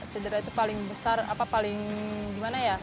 cedera itu paling besar apa paling gimana ya